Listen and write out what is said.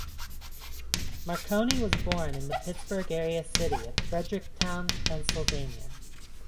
Marconi was born in the Pittsburgh area city of Fredericktown, Pennsylvania.